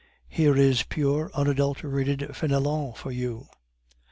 (Here is pure unadulterated Fenelon for you!)